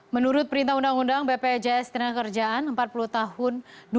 menurut perintah undang undang bpjs tenaga kerjaan empat puluh tahun dua ribu dua